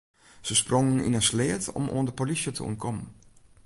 Se sprongen yn in sleat om oan de polysje te ûntkommen.